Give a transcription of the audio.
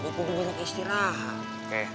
gue kudu banyak istirahat